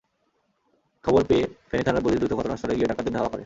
খবর পেয়ে ফেনী থানার পুলিশ দ্রুত ঘটনাস্থলে গিয়ে ডাকাতদের ধাওয়া করে।